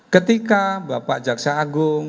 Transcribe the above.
ketika bapak jaksa agung